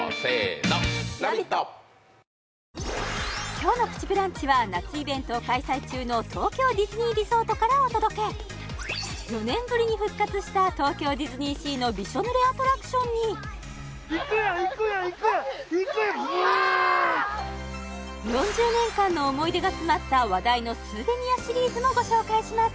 今日の「プチブランチ」は夏イベントを開催中の東京ディズニーリゾートからお届け４年ぶりに復活した東京ディズニーシーのびしょ濡れアトラクションに４０年間の思い出が詰まった話題のスーベニアシリーズもご紹介します